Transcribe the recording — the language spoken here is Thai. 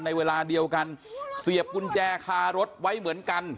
เวลาเดียวกันเสียบกุญแจคารถไว้เหมือนกัน